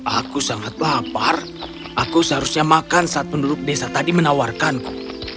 aku sangat lapar aku seharusnya makan saat penduduk desa tadi menawarkanku